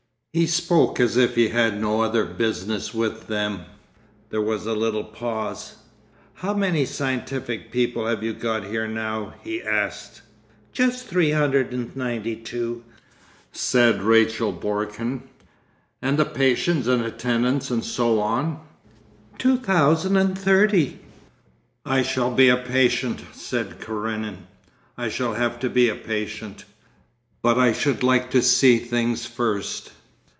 He spoke as if he had no other business with them. There was a little pause. 'How many scientific people have you got here now?' he asked. 'Just three hundred and ninety two,' said Rachel Borken. 'And the patients and attendants and so on?' 'Two thousand and thirty.' 'I shall be a patient,' said Karenin. 'I shall have to be a patient. But I should like to see things first.